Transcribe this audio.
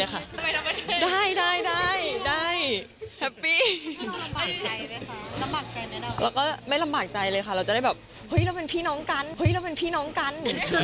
แล้วก็ไม่ลำบากใจไหมคะแล้วก็ไม่ลำบากใจเลยค่ะเราจะได้แบบเฮ้ยเราเป็นพี่น้องกันเฮ้ยเราเป็นพี่น้องกัน